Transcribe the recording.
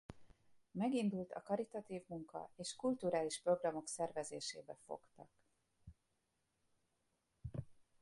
Megindult a karitatív munka és kulturális programok szervezésébe fogtak.